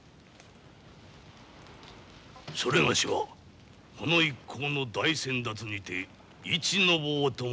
それがしはこの一行の大先達にて市の坊と申す者。